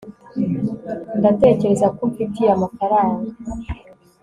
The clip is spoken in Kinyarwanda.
ndatekereza ko umfitiye amafaranga